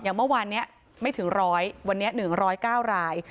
อย่างเมื่อวานเนี้ยไม่ถึงร้อยวันนี้หนึ่งร้อยเก้าราย